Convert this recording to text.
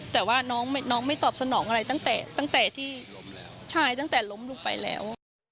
แต่ว่าน้องไม่ตอบสนองอะไรตั้งแต่ที่ใช่ตั้งแต่ล้มลงไปแล้ว